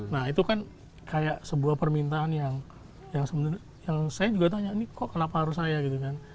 nah itu kan kayak sebuah permintaan yang sebenarnya yang saya juga tanya ini kok kenapa harus saya gitu kan